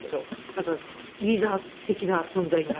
なんかリーダー的な存在になって。